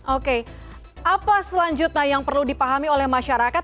oke apa selanjutnya yang perlu dipahami oleh masyarakat